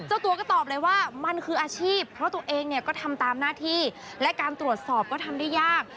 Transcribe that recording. เจ้าตัวก็ตอบเลยว่ามันคืออาชีพเพราะตัวเองเนี่ยก็ทำตามหน้าที่และการตรวจสอบก็ทำได้ยาก